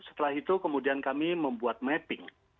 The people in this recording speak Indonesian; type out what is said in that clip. setelah itu kemudian kami membuat mapping